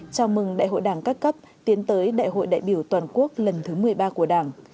chào mừng đại hội đảng các cấp tiến tới đại hội đại biểu toàn quốc lần thứ một mươi ba của đảng